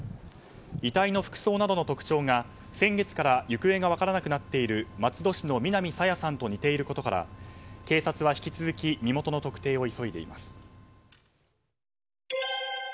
遺体の服装などの特徴が先月から行方が分からなくなっている松戸市の南朝芽さんと似ていることから警察は引き続き身元の特定を急いでいます。